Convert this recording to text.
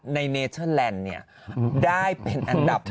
ในเนเทอร์แลนด์เนี่ยได้เป็นอันดับ